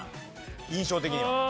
印象的には。